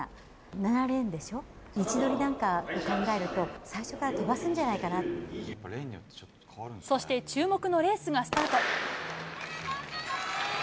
７レーンでしょ、位置取りなんかを考えると、最初から飛ばすんじそして、注目のレースがスタート。